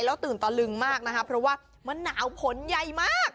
แล้วตื่นตะลึงมากนะคะเพราะว่ามันหนาวผลใหญ่มาก